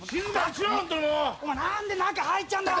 何で中入っちゃうんだよ？